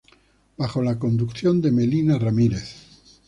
Bajo la conducción de Melina Ramírez.